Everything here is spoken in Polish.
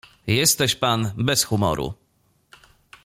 "Jesteś pan bez humoru."